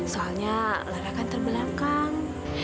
soalnya lara kan terbelakang